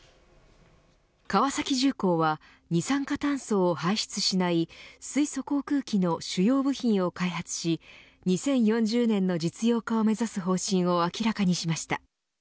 川崎重工は二酸化炭素を排出しない水素航空機の主要部品を開発し、２０４０年の実用化を目指す方針を明らかにしました。